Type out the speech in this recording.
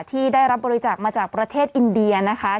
ที่ได้รับบริจาคมาจากประเทศอินเดียนะคะ